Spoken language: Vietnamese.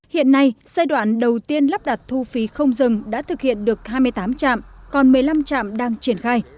hiện nay giai đoạn đầu tiên lắp đặt thu phí không dừng đã thực hiện được hai mươi tám trạm còn một mươi năm trạm đang triển khai